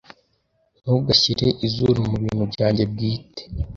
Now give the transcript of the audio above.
Ntugashyire izuru mubintu byanjye bwite.